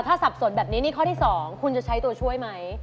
ถ้าสับสนแบบนี้นี่ข้อที่๒คุณจะใช้ตัวช่วยไหม